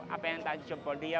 apa yang tak ajung jempol dia